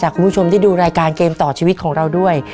คุณผู้ชมที่ดูรายการเกมต่อชีวิตของเราด้วย